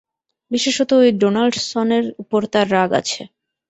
বিশেষত ঐ ডোনাল্ডসনের উপর তার রাগ আছে।